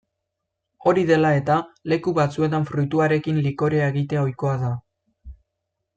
Hori dela-eta, leku batzuetan fruituarekin likorea egitea ohikoa da.